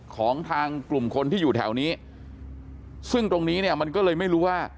ของทางกลุ่มคนที่อยู่แถวนี้ซึ่งตรงนี้เนี่ยมันก็เลยไม่รู้ว่า